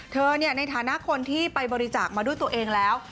ในฐานะคนที่ไปบริจาคมาด้วยตัวเองแล้ว